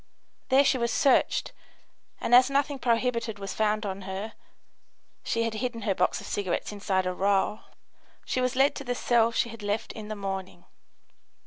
There she was searched, and as nothing prohibited was found on her (she had hidden her box of cigarettes inside a roll) she was led to the cell she had left in the morning.